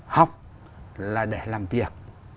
học là để làm việc